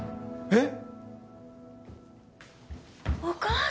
えっ？